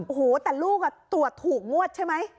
โอ้โหแต่ลูกตรวจถูกงวดใช่ไหม